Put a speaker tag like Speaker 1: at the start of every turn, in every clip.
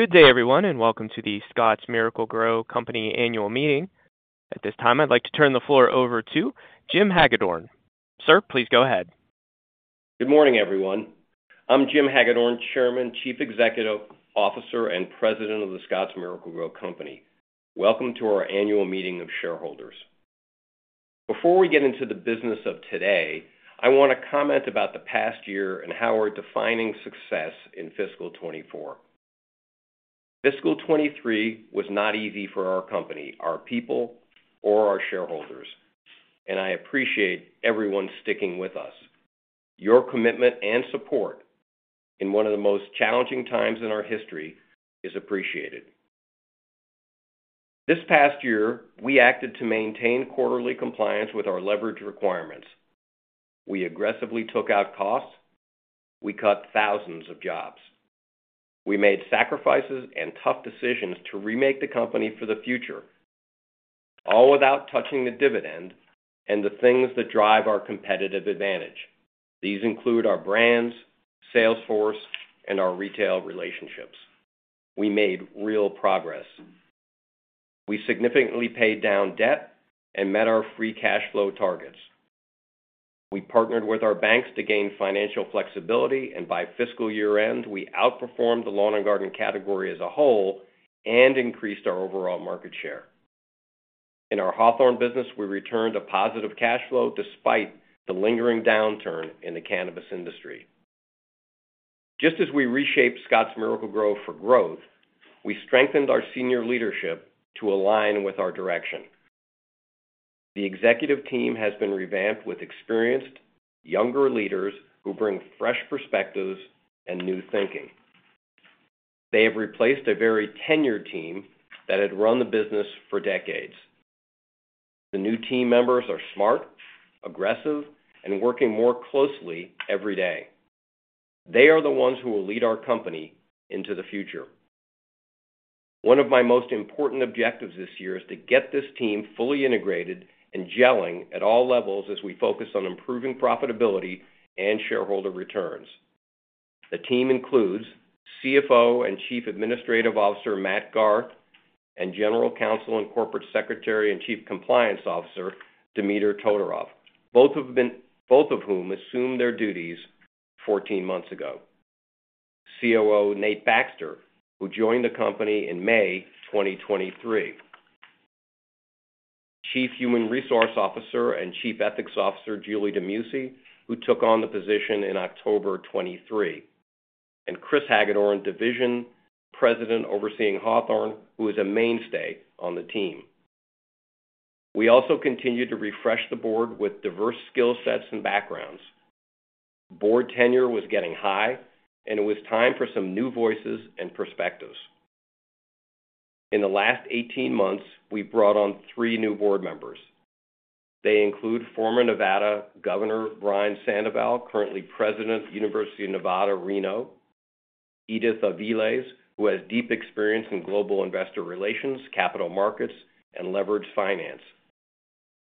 Speaker 1: Good day, everyone, and welcome to The Scotts Miracle-Gro Company annual meeting. At this time, I'd like to turn the floor over to Jim Hagedorn. Sir, please go ahead.
Speaker 2: Good morning, everyone. I'm Jim Hagedorn, Chairman, Chief Executive Officer, and President of the Scotts Miracle-Gro Company. Welcome to our annual meeting of shareholders. Before we get into the business of today, I want to comment about the past year and how we're defining success in fiscal 2024. Fiscal 2023 was not easy for our company, our people, or our shareholders, and I appreciate everyone sticking with us. Your commitment and support in one of the most challenging times in our history is appreciated. This past year, we acted to maintain quarterly compliance with our leverage requirements. We aggressively took out costs. We cut thousands of jobs. We made sacrifices and tough decisions to remake the company for the future, all without touching the dividend and the things that drive our competitive advantage. These include our brands, sales force, and our retail relationships. We made real progress. We significantly paid down debt and met our free cash flow targets. We partnered with our banks to gain financial flexibility, and by fiscal year-end, we outperformed the lawn and garden category as a whole and increased our overall market share. In our Hawthorne business, we returned a positive cash flow despite the lingering downturn in the cannabis industry. Just as we reshaped Scotts Miracle-Gro for growth, we strengthened our senior leadership to align with our direction. The executive team has been revamped with experienced, younger leaders who bring fresh perspectives and new thinking. They have replaced a very tenured team that had run the business for decades. The new team members are smart, aggressive, and working more closely every day. They are the ones who will lead our company into the future. One of my most important objectives this year is to get this team fully integrated and gelling at all levels as we focus on improving profitability and shareholder returns. The team includes CFO and Chief Administrative Officer, Matt Garth, and General Counsel and Corporate Secretary and Chief Compliance Officer, Dimiter Todorov. Both of whom assumed their duties 14 months ago. COO Nate Baxter, who joined the company in May 2023, Chief Human Resource Officer and Chief Ethics Officer, Julie DeMuesy, who took on the position in October 2023, and Chris Hagedorn, Division President, overseeing Hawthorne, who is a mainstay on the team. We also continued to refresh the board with diverse skill sets and backgrounds. Board tenure was getting high, and it was time for some new voices and perspectives. In the last 18 months, we've brought on three new board members. They include former Nevada Governor Brian Sandoval, currently President, University of Nevada, Reno. Edith Aviles, who has deep experience in global investor relations, capital markets, and leveraged finance.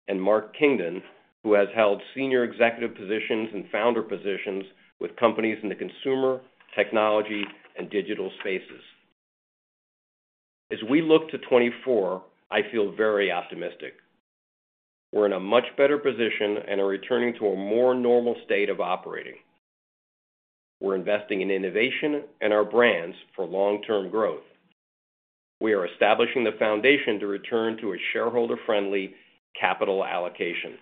Speaker 2: And Mark Kingdon, who has held senior executive positions and founder positions with companies in the consumer, technology, and digital spaces. As we look to 2024, I feel very optimistic. We're in a much better position and are returning to a more normal state of operating. We're investing in innovation and our brands for long-term growth. We are establishing the foundation to return to a shareholder-friendly capital allocation.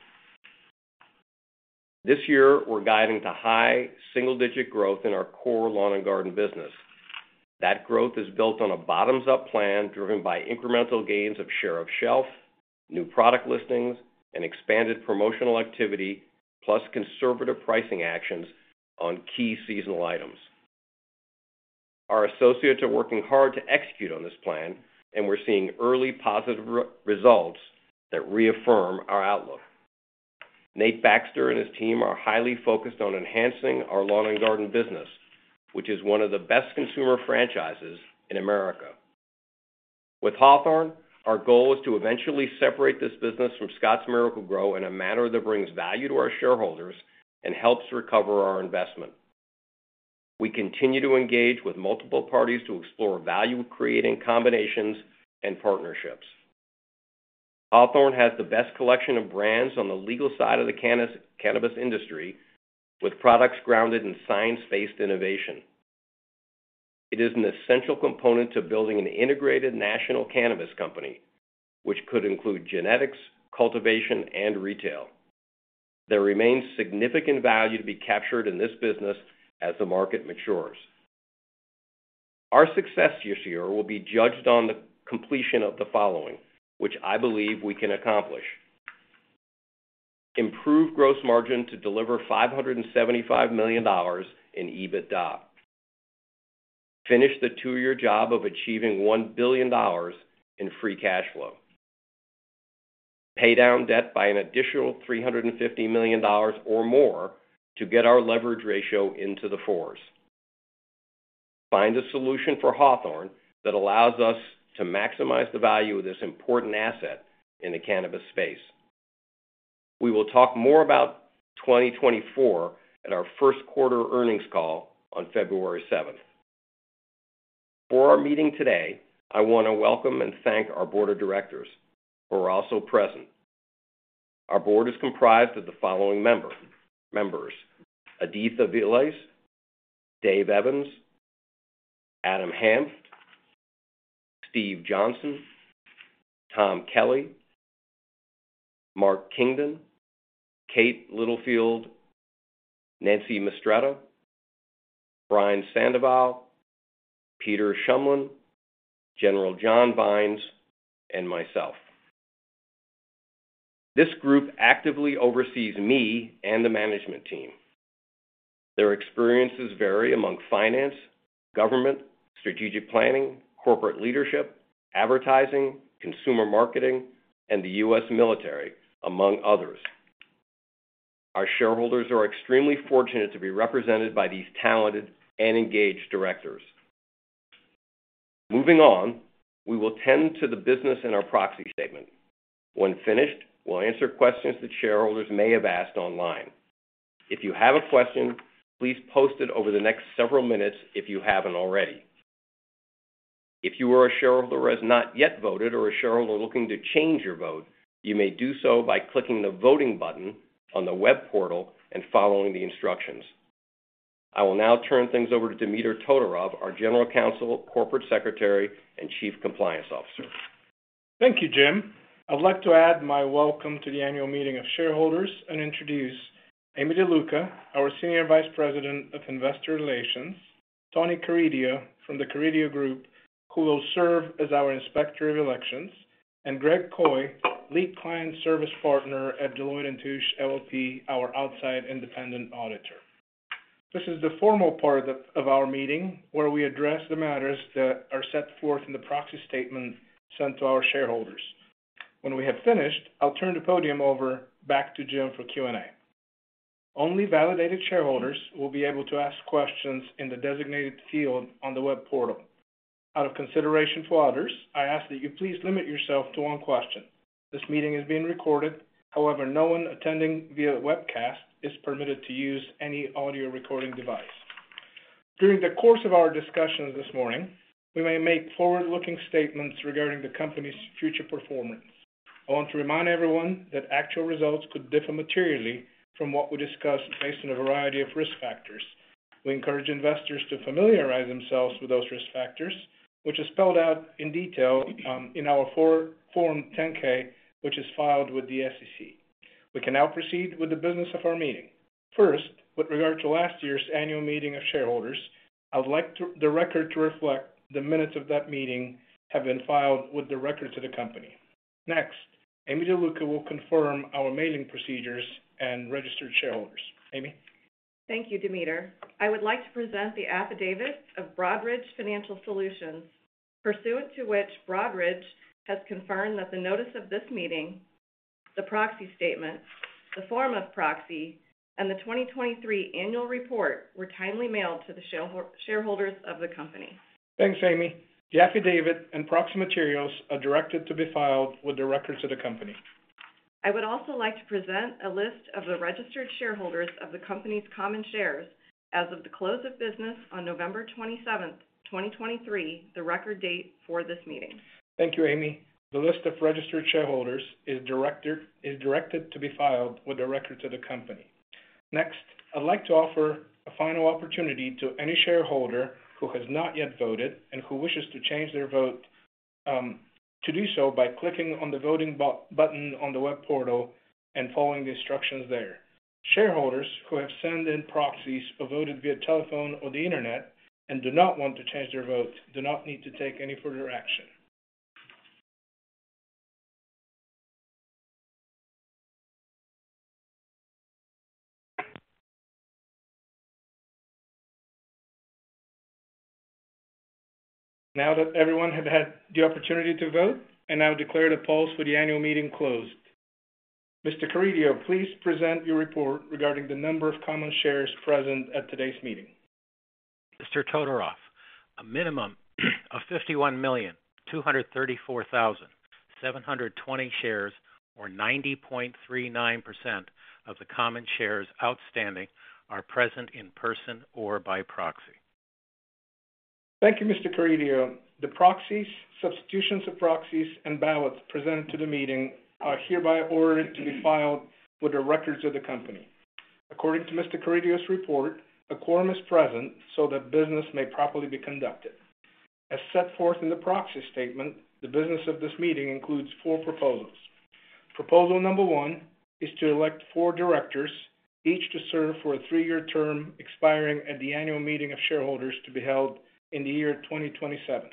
Speaker 2: This year, we're guiding to high single-digit growth in our core lawn and garden business. That growth is built on a bottoms-up plan, driven by incremental gains of share of shelf, new product listings, and expanded promotional activity, plus conservative pricing actions on key seasonal items. Our associates are working hard to execute on this plan, and we're seeing early positive results that reaffirm our outlook. Nate Baxter and his team are highly focused on enhancing our lawn and garden business, which is one of the best consumer franchises in America. With Hawthorne, our goal is to eventually separate this business from Scotts Miracle-Gro in a manner that brings value to our shareholders and helps recover our investment. We continue to engage with multiple parties to explore value-creating combinations and partnerships. Hawthorne has the best collection of brands on the legal side of the cannabis industry, with products grounded in science-based innovation. It is an essential component to building an integrated national cannabis company, which could include genetics, cultivation, and retail. There remains significant value to be captured in this business as the market matures. Our success this year will be judged on the completion of the following, which I believe we can accomplish: Improve gross margin to deliver $575 million in EBITDA, finish the two-year job of achieving $1 billion in free cash flow, pay down debt by an additional $350 million or more to get our leverage ratio into the fours. Find a solution for Hawthorne that allows us to maximize the value of this important asset in the cannabis space... We will talk more about 2024 at our first quarter earnings call on February 7th. For our meeting today, I want to welcome and thank our board of directors who are also present. Our board is comprised of the following member, members: Edith Aviles, Dave Evans, Adam Hanft, Steve Johnson, Tom Kelly, Mark Kingdon, Kate Littlefield, Nancy Mistretta, Brian Sandoval, Peter Shumlin, General John Vines, and myself. This group actively oversees me and the management team. Their experiences vary among finance, government, strategic planning, corporate leadership, advertising, consumer marketing, and the U.S. military, among others. Our shareholders are extremely fortunate to be represented by these talented and engaged directors. Moving on, we will tend to the business in our proxy statement. When finished, we'll answer questions that shareholders may have asked online. If you have a question, please post it over the next several minutes if you haven't already. If you are a shareholder who has not yet voted or a shareholder looking to change your vote, you may do so by clicking the voting button on the web portal and following the instructions. I will now turn things over to Dimiter Todorov, our General Counsel, Corporate Secretary, and Chief Compliance Officer.
Speaker 3: Thank you, Jim. I'd like to add my welcome to the annual meeting of shareholders and introduce Aimee DeLuca, our Senior Vice President of Investor Relations, Tony Carideo from the Carideo Group, who will serve as our Inspector of Elections, and Greg Coy, Lead Client Service Partner at Deloitte & Touche, LLP, our outside independent auditor. This is the formal part of our meeting, where we address the matters that are set forth in the proxy statement sent to our shareholders. When we have finished, I'll turn the podium over back to Jim for Q&A. Only validated shareholders will be able to ask questions in the designated field on the web portal. Out of consideration for others, I ask that you please limit yourself to one question. This meeting is being recorded. However, no one attending via webcast is permitted to use any audio recording device. During the course of our discussion this morning, we may make forward-looking statements regarding the company's future performance. I want to remind everyone that actual results could differ materially from what we discuss based on a variety of risk factors. We encourage investors to familiarize themselves with those risk factors, which are spelled out in detail in our Form 10-K, which is filed with the SEC. We can now proceed with the business of our meeting. First, with regard to last year's annual meeting of shareholders, I would like the record to reflect the minutes of that meeting have been filed with the records of the company. Next, Aimee DeLuca will confirm our mailing procedures and registered shareholders. Aimee?
Speaker 4: Thank you, Dimiter. I would like to present the affidavit of Broadridge Financial Solutions, pursuant to which Broadridge has confirmed that the notice of this meeting, the proxy statement, the form of proxy, and the 2023 annual report were timely mailed to the shareholders of the company.
Speaker 3: Thanks, Aimee. The affidavit and proxy materials are directed to be filed with the records of the company.
Speaker 4: I would also like to present a list of the registered shareholders of the company's common shares as of the close of business on November 27th, 2023, the record date for this meeting.
Speaker 3: Thank you, Aimee. The list of registered shareholders is directed to be filed with the records of the company. Next, I'd like to offer a final opportunity to any shareholder who has not yet voted and who wishes to change their vote to do so by clicking on the voting button on the web portal and following the instructions there. Shareholders who have sent in proxies or voted via telephone or the Internet and do not want to change their vote do not need to take any further action. Now that everyone has had the opportunity to vote, I now declare the polls for the annual meeting closed. Mr. Carideo, please present your report regarding the number of common shares present at today's meeting.
Speaker 5: Mr. Todorov, a minimum of 51,234,720 shares, or 90.39% of the common shares outstanding, are present in person or by proxy.
Speaker 3: Thank you, Mr. Carideo. The proxies, substitutions of proxies, and ballots presented to the meeting are hereby ordered to be filed with the records of the company. According to Mr. Carideo's report, a quorum is present so that business may properly be conducted. As set forth in the Proxy Statement, the business of this meeting includes 4 proposals. Proposal number 1 is to elect four directors, each to serve for a three-year term, expiring at the annual meeting of shareholders to be held in the year 2027.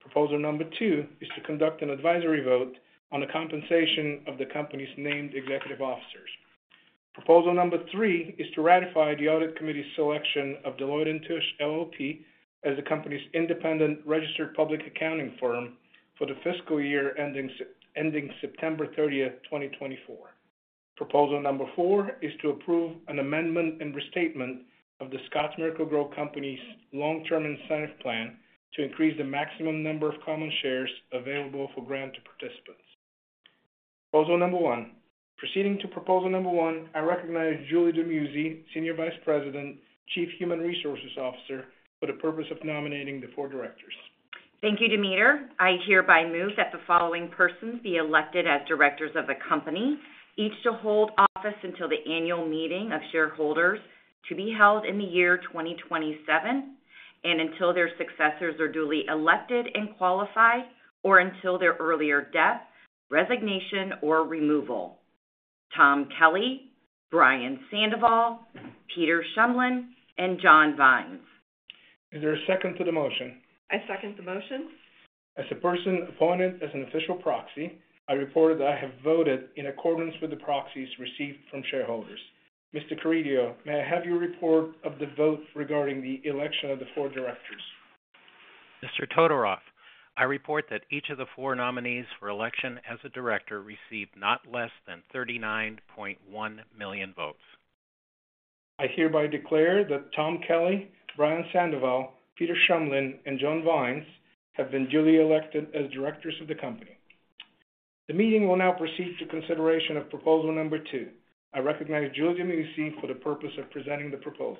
Speaker 3: Proposal number 2 is to conduct an advisory vote on the compensation of the company's named executive officers. Proposal number 3 is to ratify the audit committee's selection of Deloitte & Touche, LLP, as the company's independent registered public accounting firm for the fiscal year ending September 30, 2024. Proposal number 4 is to approve an amendment and restatement of the Scotts Miracle-Gro Company's long-term incentive plan to increase the maximum number of common shares available for grant to participants.... Proposal number 1. Proceeding to proposal number 1, I recognize Julie DeMuesy, Senior Vice President, Chief Human Resources Officer, for the purpose of nominating the four directors.
Speaker 6: Thank you, Dimiter. I hereby move that the following persons be elected as directors of the company, each to hold office until the annual meeting of shareholders to be held in the year 2027, and until their successors are duly elected and qualified, or until their earlier death, resignation, or removal. Tom Kelly, Brian Sandoval, Peter Shumlin, and John Vines.
Speaker 3: Is there a second to the motion?
Speaker 4: I second the motion.
Speaker 3: As a person appointed as an official proxy, I report that I have voted in accordance with the proxies received from shareholders. Mr. Carideo, may I have your report of the vote regarding the election of the four directors?
Speaker 5: Mr. Todorov, I report that each of the four nominees for election as a director received not less than 39.1 million votes.
Speaker 3: I hereby declare that Tom Kelly, Brian Sandoval, Peter Shumlin, and John Vines have been duly elected as directors of the company. The meeting will now proceed to consideration of proposal number two. I recognize Julie DeMuesy for the purpose of presenting the proposal.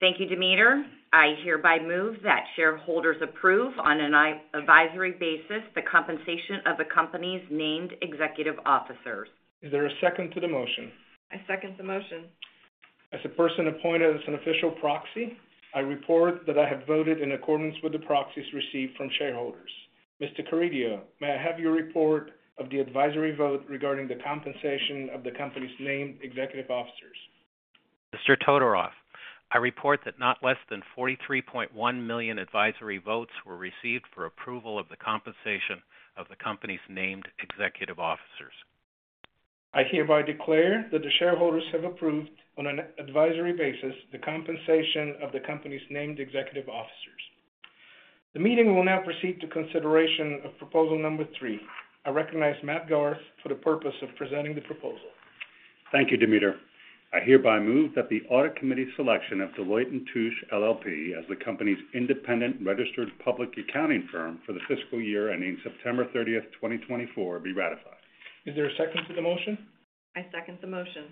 Speaker 6: Thank you, Dimiter. I hereby move that shareholders approve on an advisory basis, the compensation of the company's named executive officers.
Speaker 3: Is there a second to the motion?
Speaker 4: I second the motion.
Speaker 3: As a person appointed as an official proxy, I report that I have voted in accordance with the proxies received from shareholders. Mr. Carideo, may I have your report of the advisory vote regarding the compensation of the company's named executive officers?
Speaker 5: Mr. Todorov, I report that not less than 43.1 million advisory votes were received for approval of the compensation of the company's named executive officers.
Speaker 3: I hereby declare that the shareholders have approved, on an advisory basis, the compensation of the company's named executive officers. The meeting will now proceed to consideration of proposal number three. I recognize Matt Garth for the purpose of presenting the proposal.
Speaker 2: Thank you, Dimiter. I hereby move that the Audit Committee selection of Deloitte & Touche, LLP, as the company's independent registered public accounting firm for the fiscal year ending September 30, 2024, be ratified.
Speaker 3: Is there a second to the motion?
Speaker 4: I second the motion.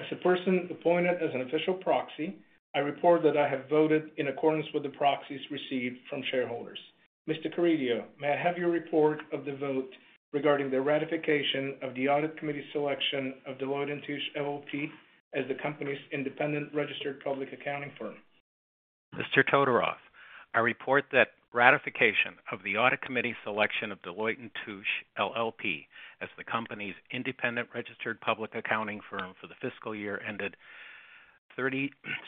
Speaker 3: As a person appointed as an official proxy, I report that I have voted in accordance with the proxies received from shareholders. Mr. Carideo, may I have your report of the vote regarding the ratification of the Audit Committee's selection of Deloitte & Touche, LLP, as the company's independent registered public accounting firm?
Speaker 5: Mr. Todorov, I report that ratification of the Audit Committee's selection of Deloitte & Touche, LLP, as the company's independent registered public accounting firm for the fiscal year ended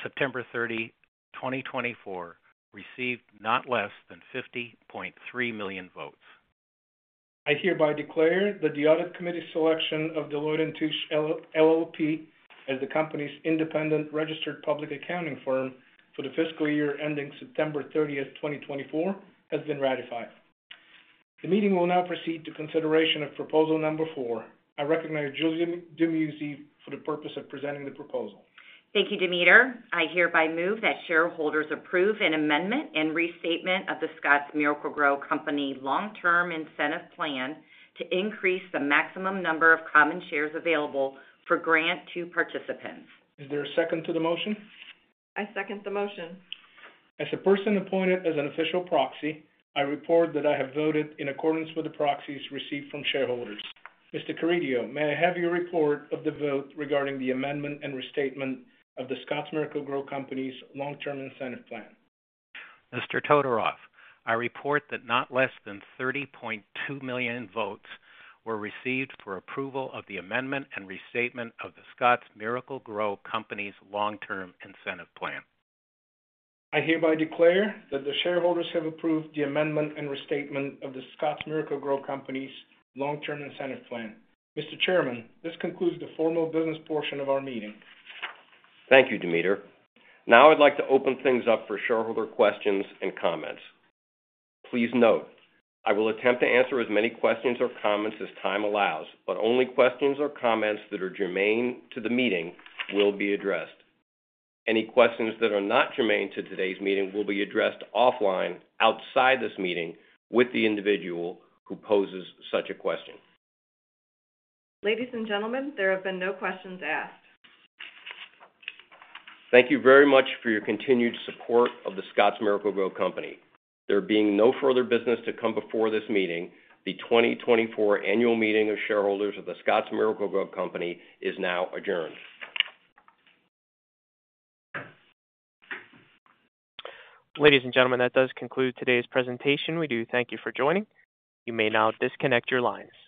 Speaker 5: September 30, 2024, received not less than 50.3 million votes.
Speaker 3: I hereby declare that the Audit Committee's selection of Deloitte & Touche, LLP, as the company's independent registered public accounting firm for the fiscal year ending September thirtieth, twenty twenty-four, has been ratified. The meeting will now proceed to consideration of proposal number 4. I recognize Julie DeMuesy for the purpose of presenting the proposal.
Speaker 6: Thank you, Dimiter. I hereby move that shareholders approve an amendment and restatement of The Scotts Miracle-Gro Company long-term incentive plan to increase the maximum number of common shares available for grant to participants.
Speaker 3: Is there a second to the motion?
Speaker 4: I second the motion.
Speaker 3: As a person appointed as an official proxy, I report that I have voted in accordance with the proxies received from shareholders. Mr. Carideo, may I have your report of the vote regarding the amendment and restatement of The Scotts Miracle-Gro Company's long-term incentive plan?
Speaker 5: Mr. Todorov, I report that not less than 30.2 million votes were received for approval of the amendment and restatement of the Scotts Miracle-Gro Company's long-term incentive plan.
Speaker 3: I hereby declare that the shareholders have approved the amendment and restatement of The Scotts Miracle-Gro Company's long-term incentive plan. Mr. Chairman, this concludes the formal business portion of our meeting.
Speaker 2: Thank you, Dimiter. Now I'd like to open things up for shareholder questions and comments. Please note, I will attempt to answer as many questions or comments as time allows, but only questions or comments that are germane to the meeting will be addressed. Any questions that are not germane to today's meeting will be addressed offline, outside this meeting, with the individual who poses such a question.
Speaker 4: Ladies and gentlemen, there have been no questions asked.
Speaker 2: Thank you very much for your continued support of The Scotts Miracle-Gro Company. There being no further business to come before this meeting, the 2024 annual meeting of shareholders of The Scotts Miracle-Gro Company is now adjourned.
Speaker 1: Ladies and gentlemen, that does conclude today's presentation. We do thank you for joining. You may now disconnect your lines.